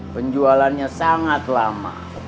penjualannya sangat lama